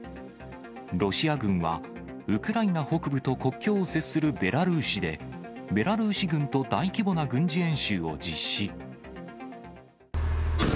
ロシア軍は、ウクライナ北部と国境を接するベラルーシで、ベラルーシ軍と大規模な軍事演習を実施。